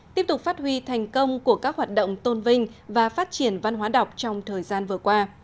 tiếp tục phát huy thành công của các hoạt động tôn vinh và phát triển văn hóa đọc trong thời gian vừa qua